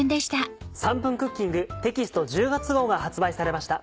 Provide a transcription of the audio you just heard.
『３分クッキング』テキスト１０月号が発売されました。